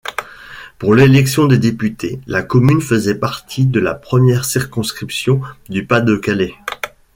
Pour l'élection des députés, la commune faisait partie de la première circonscription du Pas-de-Calais.